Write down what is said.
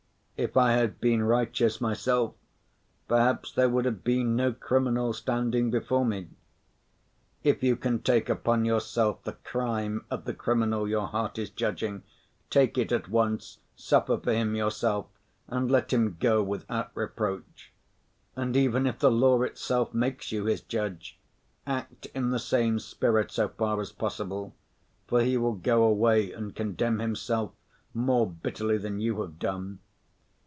If I had been righteous myself, perhaps there would have been no criminal standing before me. If you can take upon yourself the crime of the criminal your heart is judging, take it at once, suffer for him yourself, and let him go without reproach. And even if the law itself makes you his judge, act in the same spirit so far as possible, for he will go away and condemn himself more bitterly than you have done.